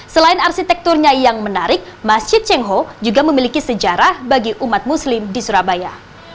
selain arsitekturnya yang menarik masjid cengho juga memiliki sejarah bagi umat muslim di surabaya